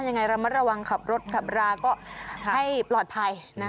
ยังไงระมัดระวังขับรถขับราก็ให้ปลอดภัย